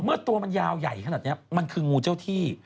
ตัวมันยาวใหญ่ขนาดนี้มันคืองูเจ้าที่